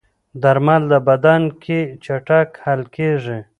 درمل د بدن کې چټک حل کېږي.